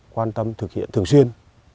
quan tâm thực hiện thường xuyên